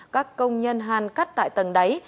các công nhân hàn cắt tại tầng đáy